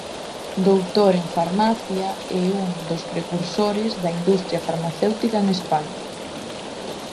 Doutor en farmacia e un dos precursores da industria farmacéutica en España.